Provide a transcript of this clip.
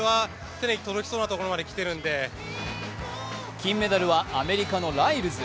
金メダルはアメリカのライルズ。